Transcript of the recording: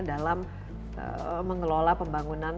dalam mengelola pembangunan